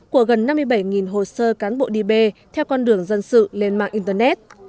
của gần năm mươi bảy hồ sơ cán bộ đi bê theo con đường dân sự lên mạng internet